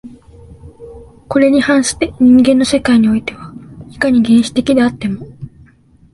これに反して人間の世界においては、いかに原始的であっても